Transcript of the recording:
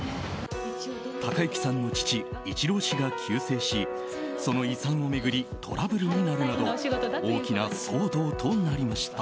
誉幸さんの父・一郎氏が急逝しその遺産を巡りトラブルになるなど大きな騒動となりました。